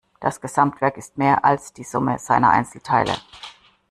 Das Gesamtwerk ist mehr als die Summe seiner Einzelteile.